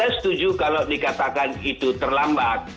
saya setuju kalau dikatakan itu terlambat